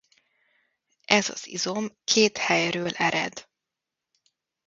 Ez az izom két helyről ered.